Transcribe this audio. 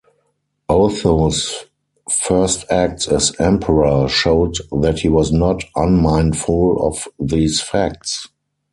Otho's first acts as Emperor showed that he was not unmindful of these facts.